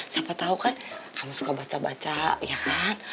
siapa tahu kan kamu suka baca baca ya kan